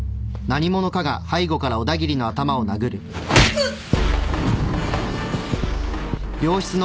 ・うっ。